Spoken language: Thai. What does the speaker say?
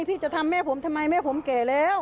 พี่จะทำแม่ผมทำไมแม่ผมแก่แล้ว